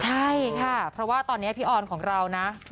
ใช่ค่ะเพราะว่าตอนนี้พี่ออนของเรานะ